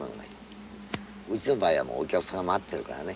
うちの場合はもうお客さんが待ってるからね。